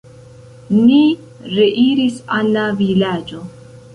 Ni reiris al la vilaĝo.